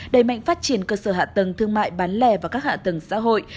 đầy mạnh phát triển cơ sở hạ tầng thương mại bán lẻ và các hạ tầng xã hội